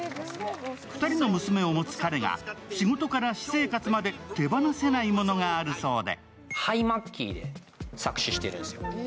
２人の娘を持つ彼が仕事から私生活まで手放せないものがあるそうで。